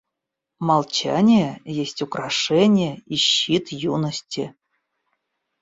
Молчание есть украшение и щит юности.